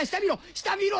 下見ろ！